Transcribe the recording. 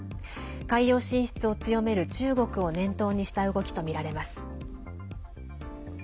海洋進出を強める中国を念頭にした動きとみられます。